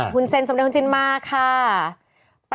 คุณเซนเนย์จะมา